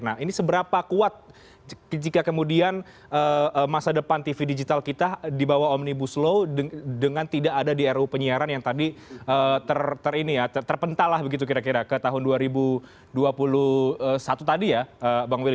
nah ini seberapa kuat jika kemudian masa depan tv digital kita dibawa omnibus law dengan tidak ada di ru penyiaran yang tadi terpental lah begitu kira kira ke tahun dua ribu dua puluh satu tadi ya bang will